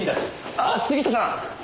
ああっ杉下さん！